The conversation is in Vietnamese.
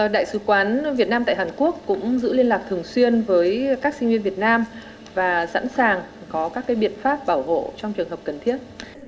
đại sứ quán việt nam tại hàn quốc cũng giữ liên lạc thường xuyên với các sinh viên việt nam và sẵn sàng có các biện pháp bảo hộ trong trường hợp cần thiết